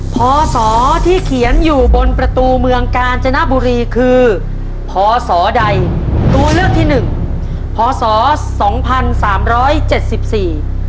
พศที่เขียนอยู่บนประตูเมืองกาญจนบุรีคือพศใดตัวเลือกที่หนึ่งพศสองพันสามร้อยเจ็ดสิบสี่